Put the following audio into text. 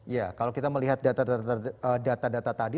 ya kalau kita melihat data data tadi